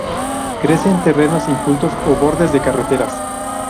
Crece en terrenos incultos o bordes de carreteras.